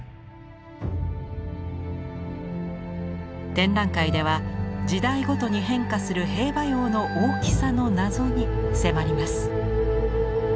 展覧会では時代ごとに変化する兵馬俑の大きさの謎に迫ります。